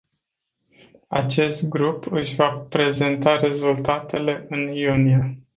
Acest grup își va prezenta rezultatele în iunie.